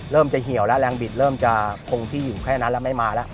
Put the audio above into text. เริ่มจะเหี่ยวแล้วแรงบิดเริ่มจะคงที่อยู่แค่นั้นแล้วไม่มาแล้ว